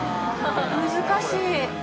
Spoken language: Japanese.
難しい。